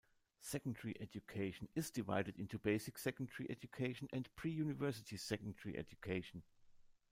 Secondary education is divided into basic secondary education and pre-university secondary education.